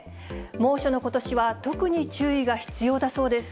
猛暑のことしは特に注意が必要だそうです。